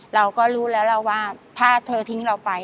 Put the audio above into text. เราก็รู้แล้วเราว่าถ้าเธอทิ้งเราไป